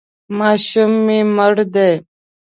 ماشوم مې مړ دی.